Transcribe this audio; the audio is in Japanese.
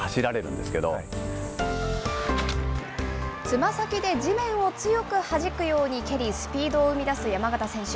つま先で地面を強くはじくように蹴りスピードを出す山縣選手。